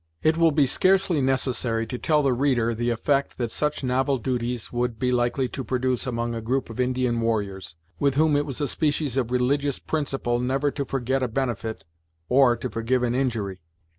It will be scarcely necessary to tell the reader the effect that such novel duties would be likely to produce among a group of Indian warriors, with whom it was a species of religious principle never to forget a benefit, or to forgive an injury.